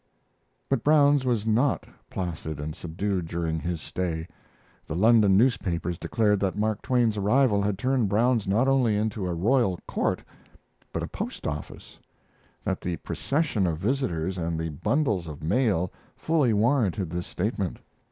But Brown's was not placid and subdued during his stay. The London newspapers declared that Mark Twain's arrival had turned Brown's not only into a royal court, but a post office that the procession of visitors and the bundles of mail fully warranted this statement.